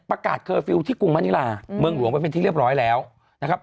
เคอร์ฟิลล์ที่กรุงมณิลาเมืองหลวงไปเป็นที่เรียบร้อยแล้วนะครับ